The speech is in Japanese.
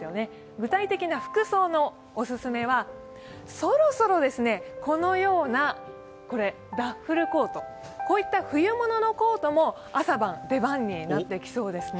具体的な服装のオススメはそろそろ、このようなダッフルコート、こういった冬物のコートも朝晩出番になってきそうですね。